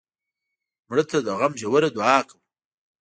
مړه ته د غم ژوره دعا کوو